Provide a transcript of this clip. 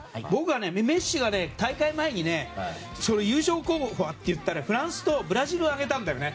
メッシが大会前に優勝候補は？って言ったらフランスとブラジルを挙げたんだよね。